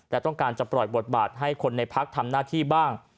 และต้องการจะปล่อยบทบาทให้คนในพักทำหน้าที่บ้าง